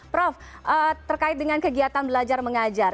prof terkait dengan kegiatan belajar mengajar